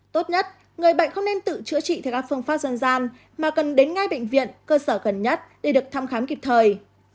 tốt nhất người bệnh không nên tự chữa trị theo các phương pháp dân gian mà cần đến ngay bệnh viện cơ sở gần nhất để được thăm khám kịp thời